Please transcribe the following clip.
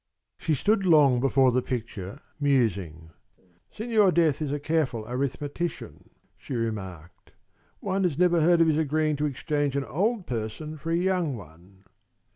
She stood long before the picture, musing. "Signor Death is a careful arithmetician," she remarked. "One has never heard of his agreeing to exchange an old person for a young one."